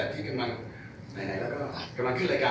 กำลังขึ้นรายการใหม่นะครับวิวสามตุลานี้นะครับ